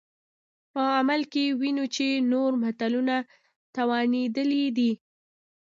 په عمل کې وینو چې نور ملتونه توانېدلي دي.